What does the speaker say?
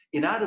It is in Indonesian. dalam hal lain